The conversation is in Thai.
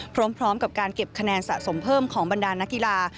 พร้อมกับการเก็บคะแนนสะสมเพิ่มของบรรดานักกีฬา